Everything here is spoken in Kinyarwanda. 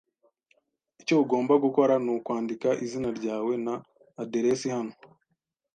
Icyo ugomba gukora nukwandika izina ryawe na aderesi hano.